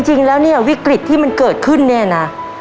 จริงแล้วเนี่ยวิกฤตที่มันเกิดขึ้นเนี่ยนะ